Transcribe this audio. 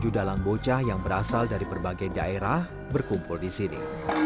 sebanyak satu ratus delapan puluh tujuh dalang bocah yang berasal dari berbagai daerah berkumpul di sini